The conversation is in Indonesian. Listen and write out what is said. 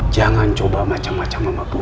jangan coba macam macam sama bu